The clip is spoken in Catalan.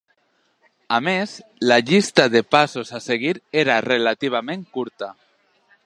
A més, la llista de passos a seguir era relativament curta.